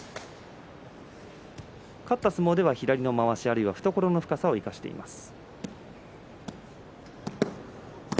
勝った相撲では左のまわしあるいは懐の深さを生かしています。